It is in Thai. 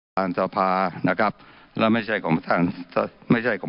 กนะคะแล้วไม่ใช่ของประธานศาลนะครับ